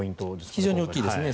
非常に大きいですね。